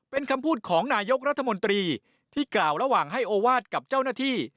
เป็นคำพูดของนายกรัฐมนตรีที่กล่าวระหว่างให้โอวาสกับเจ้าหน้าที่